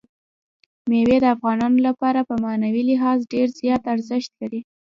مېوې د افغانانو لپاره په معنوي لحاظ ډېر زیات ارزښت لري.